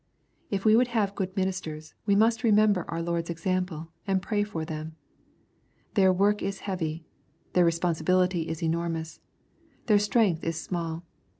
If we would have good ministers, we must re member our Lord's example, and pray for them. Their work is heavy. Their responsibility is enormous. Their strength is small.